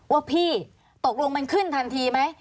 ว่าพี่ตกลงมันขึ้นทันทีไหม